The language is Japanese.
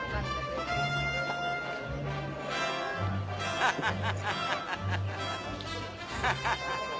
ハハハハハ！